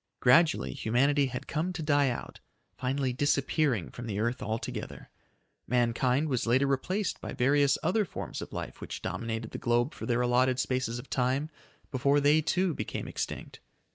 Gradually humanity had come to die out, finally disappearing from the earth altogether. Mankind was later replaced by various other forms of life which dominated the globe for their allotted spaces of time before they too became extinct.